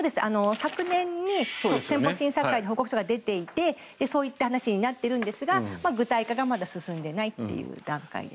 昨年に憲法審査会で報告書が出ていてそういった話になっているんですが具体化がまだ進んでいないという段階です。